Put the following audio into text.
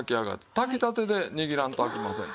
炊きたてで握らんとあきません。